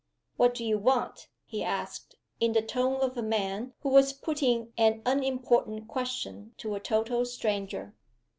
"What do you want?" he asked, in the tone of a man who was putting an unimportant question to a total stranger.